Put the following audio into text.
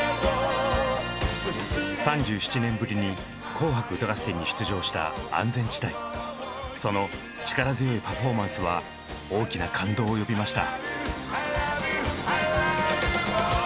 ３７年ぶりに「紅白歌合戦」に出場したその力強いパフォーマンスは大きな感動を呼びました。